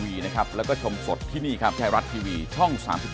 วีนะครับแล้วก็ชมสดที่นี่ครับไทยรัสทีวีช่องสามสิบ